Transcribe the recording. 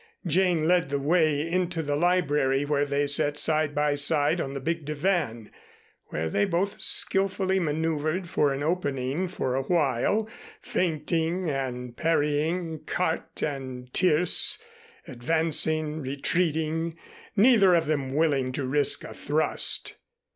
Jane led the way into the library where they sat side by side on the big divan, where they both skillfully maneuvered for an opening for a while, feinting and parrying carte and tierce, advancing, retreating, neither of them willing to risk a thrust.